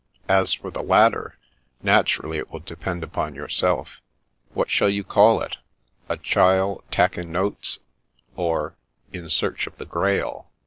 " As for the latter, naturally it will depend upon yourself. What shall you call it —* A Chiel takkin' Notes ' or * In Search of the Grail